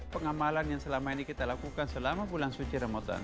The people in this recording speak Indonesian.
pengamalan yang selama ini kita lakukan selama bulan suci ramadan